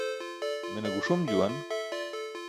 Mene guṣum juwan.